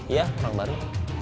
iya orang baru